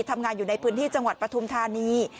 ทำงานอยู่ในพื้นที่จังหวัดปฐุมธานี